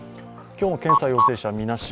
今日の検査陽性者みなし